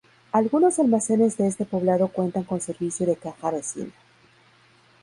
Algunos almacenes de este poblado cuentan con servicio de Caja Vecina.